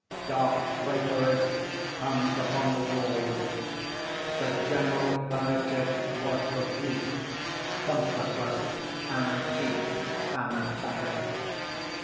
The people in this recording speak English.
Dark draperies hung upon the walls. The general furniture was profuse, comfortless, antique, and tattered.